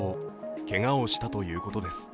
けがをしたということです。